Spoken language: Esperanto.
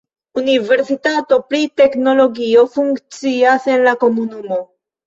Universitato pri teknologio funkcias en la komunumo.